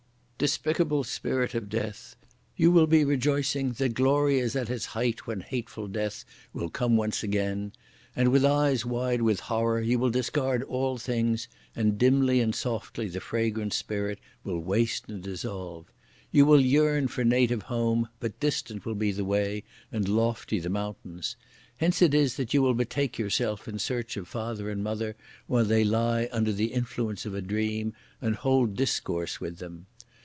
Despicable Spirit of Death! You will be rejoicing that glory is at its height when hateful death will come once again, and with eyes wide with horror, you will discard all things, and dimly and softly the fragrant spirit will waste and dissolve! You will yearn for native home, but distant will be the way, and lofty the mountains. Hence it is that you will betake yourself in search of father and mother, while they lie under the influence of a dream, and hold discourse with them.